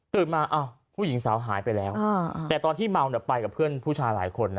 มาผู้หญิงสาวหายไปแล้วแต่ตอนที่เมาเนี่ยไปกับเพื่อนผู้ชายหลายคนนะ